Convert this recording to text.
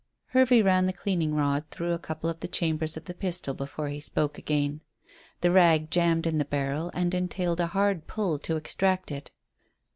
Hervey ran the cleaning rod through a couple of the chambers of the pistol before he spoke again. The rag jammed in the barrel and entailed a hard pull to extract it.